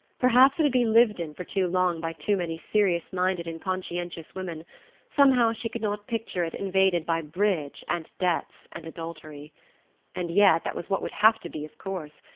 Perhaps it had been lived in for too long by too many serious minded and conscientious women: somehow she could not picture it invaded by bridge and debts and adultery. And yet that was what would have to be, of course...